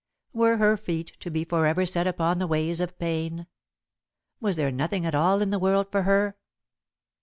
Were her feet to be forever set upon the ways of pain? Was there nothing at all in the world for her?